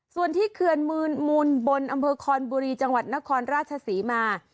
ส่วนที่เขื่อนมูลบนอำเภอคอนบุรีจังหวัดนครราชศรีมา